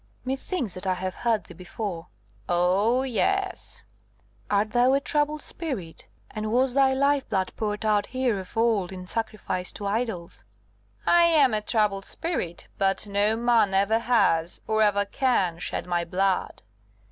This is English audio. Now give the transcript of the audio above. "Methinks that I have heard thee before." "Oh, yes." "Art thou a troubled spirit? and was thy life blood poured out here of old in sacrifice to idols?" "I am a troubled spirit; but no man ever has, or ever can, shed my blood.